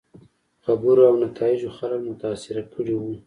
خبرو او نتایجو خلک متاثره کړي وو.